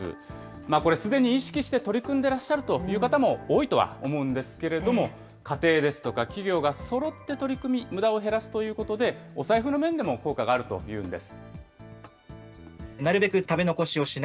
これ、すでに意識して取り組んでらっしゃるという方も多いとは思うんですけれども、家庭ですとか、企業がそろって取り組み、むだを減らすということで、お財布の面でも効果があるというんです。